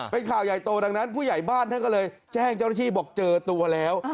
เป็นข่าวใหญ่โตดังนั้นผู้ใหญ่บ้านท่านก็เลยแจ้งเจ้าหน้าที่บอกเจอตัวแล้ว